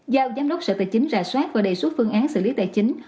giao giám đốc sở tài chính rà soát và đề xuất phương án xử lý tài chính